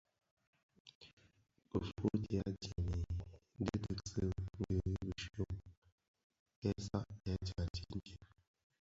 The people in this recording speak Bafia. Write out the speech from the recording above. Kifuuti adyèm i dhidigsi di bishyom (dum) kè satèè djandi itsem.